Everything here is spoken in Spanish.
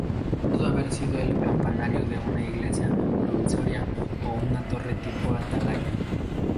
Pudo haber sido el campanario de una iglesia provisoria o una torre tipo atalaya.